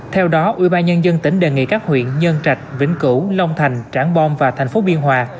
theo đó ubnd tỉnh đề nghị các huyện nhân trạch vĩnh cửu long thành trảng bom và thành phố biên hòa